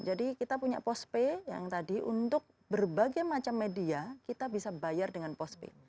jadi kita punya pos pay yang tadi untuk berbagai macam media kita bisa bayar dengan pos pay